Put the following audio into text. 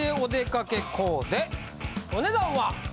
お値段は！え！